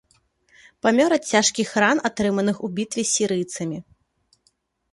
Памёр ад цяжкіх ран атрыманых у бітве з сірыйцамі.